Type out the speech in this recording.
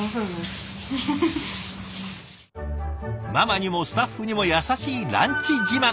ママにもスタッフにも優しいランチ自慢。